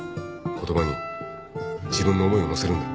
言葉に自分の思いを乗せるんだ。